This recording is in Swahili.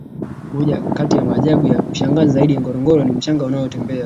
moja kati ya maajabu ya kushangaza zaidi ngorongoro ni mchanga unaotembea